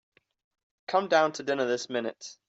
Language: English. Come down to dinner this minute.